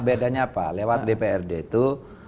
bedanya apa lewat dprd itu